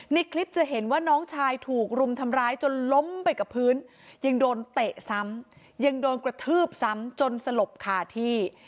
ในคลิปจะเห็นว่าน้องชายถูกรุมทำร้ายจนล้มไปกับพื้นยังโดนเตะซ้ำยังโดนกระทืบซ้ำจนสลบคาที่